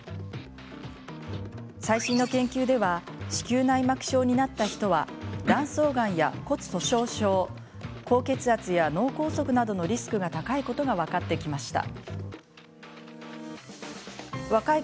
最新の研究では子宮内膜症になった人は卵巣がんや骨粗しょう症高血圧や脳梗塞などのリスクが高いことが分かってきました。